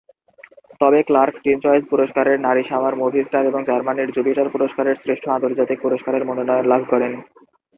তবে Clarke teen choice পুরস্কারের নারী সামার মুভি স্টার এবং জার্মানির জুপিটার পুরস্কারের শ্রেষ্ঠ আন্তর্জাতিক পুরস্কারের মনোনয়ন লাভ করেন।